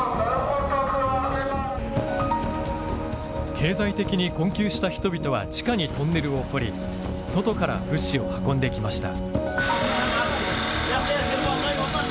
経済的に困窮した人々は地下にトンネルを掘り外から物資を運んできました。